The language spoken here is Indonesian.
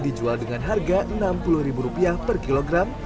dijual dengan harga rp enam puluh per kilogram